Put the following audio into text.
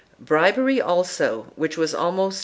Bribery, also, which was almost .